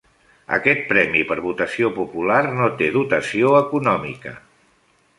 Aquest premi per votació popular no té dotació econòmica.